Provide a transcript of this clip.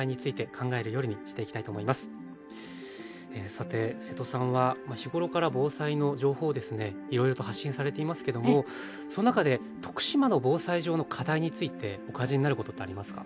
さて瀬戸さんは日頃から防災の情報をですねいろいろと発信されていますけどもその中で徳島の防災上の課題についてお感じになることってありますか？